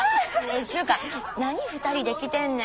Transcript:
ちゅうか何２人で来てんねん。